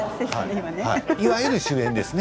いわゆる主演ですね